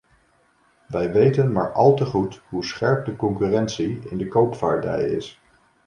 Wij weten maar al te goed hoe scherp de concurrentie in de koopvaardij is.